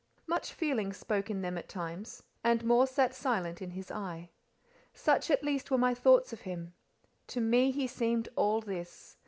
Much feeling spoke in them at times, and more sat silent in his eye. Such at least were my thoughts of him: to me he seemed all this.